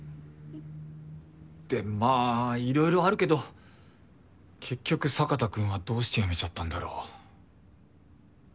でまあいろいろあるけど結局坂田君はどうして辞めちゃったんだろう？